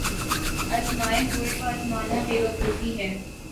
آزمائے ہوئے کو آزمانا بے وقوفی ہے۔